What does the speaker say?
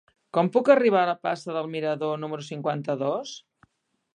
Com puc arribar a la plaça del Mirador número cinquanta-dos?